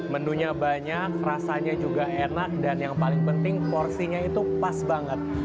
menunya banyak rasanya juga enak dan yang paling penting porsinya itu pas banget